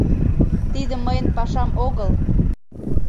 — Тиде мыйын пашам огыл...